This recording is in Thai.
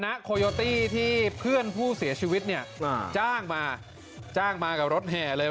โคโยตี้ที่เพื่อนผู้เสียชีวิตเนี่ยจ้างมาจ้างมากับรถแห่เลย